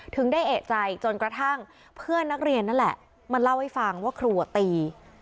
ได้เอกใจจนกระทั่งเพื่อนนักเรียนนั่นแหละมาเล่าให้ฟังว่าครูตี